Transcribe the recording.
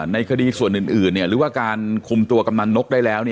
ในคดีส่วนอื่นหรือว่าการคุมตัวกำนันนกได้แล้ว